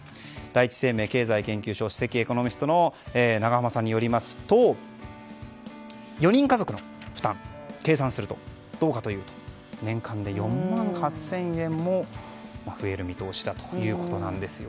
第一生命経済研究所首席エコノミストの永濱さんによりますと４人家族の負担を計算すると年間で４万８０００円も増える見通しということなんです。